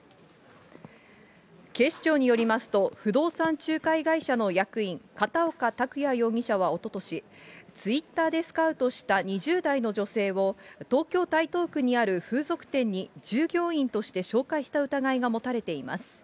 警視庁によりますと、不動産仲介会社の役員、片岡卓也容疑者はおととし、ツイッターでスカウトした２０代の女性を、東京・台東区にある風俗店に従業員として紹介した疑いが持たれています。